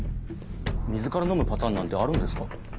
水から飲むパターンなんてあるんですか？